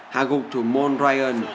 hạ gục thủ mon ryan